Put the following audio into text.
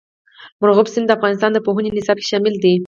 مورغاب سیند د افغانستان د پوهنې نصاب کې شامل دي.